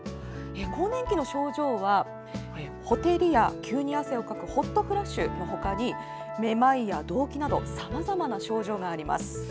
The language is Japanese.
更年期の症状はほてりや急に汗をかくホットフラッシュのほかにめまいや動悸などさまざまな症状があります。